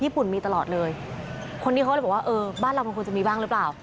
ุ่นมีตลอดเลยคนนี้เขาเลยบอกว่าเออบ้านเรามันควรจะมีบ้างหรือเปล่า